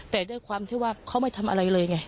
แต่ด้วยความที่ว่าเขาไม่ทำอะไรเลยไง